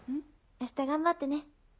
明日頑張ってね。